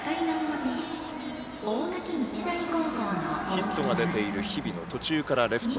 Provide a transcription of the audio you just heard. ヒットが出ている日比野途中からレフト。